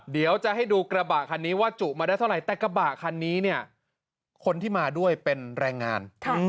เดี๋ยวจะให้ดูกระบะคันนี้ว่าจุมาได้เท่าไหร่แต่กระบะคันนี้เนี่ยคนที่มาด้วยเป็นแรงงาน